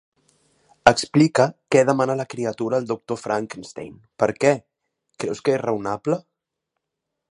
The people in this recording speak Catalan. Explica què demana la criatura al doctor Frankenstein. Per què? Creus que és raonable?